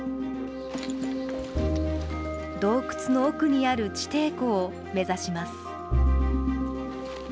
洞窟の奥にある地底湖を目指します。